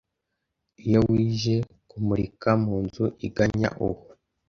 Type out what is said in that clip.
Iyo wije kumurika mu nzu iganya uwoa